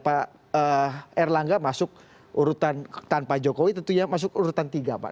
pak erlangga masuk urutan tanpa jokowi tentunya masuk urutan tiga pak